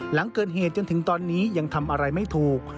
หลังเกิดเหตุจนถึงตอนนี้ยังทำอะไรไม่ถูก